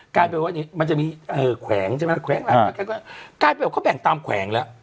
กลายเป็นว่ามันจะมีแขวงใช่ไหมแขวงหลังกลายเป็นว่าเขาแบ่งตามแขวงแล้ว